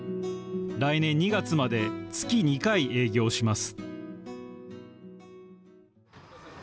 来年２月まで月２回営業します